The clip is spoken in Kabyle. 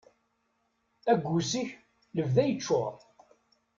Aggus-ik lebda yeččur.